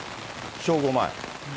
正午前。